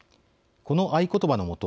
この合言葉の下